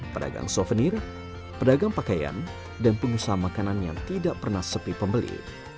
pedagang souvenir pedagang pakaian dan pengusaha makanan yang tidak pernah sepi pembeli